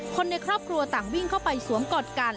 คนในครอบครัวต่างวิ่งเข้าไปสวมกอดกัน